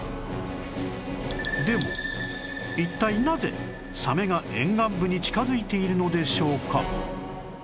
でも一体なぜサメが沿岸部に近づいているのでしょうか？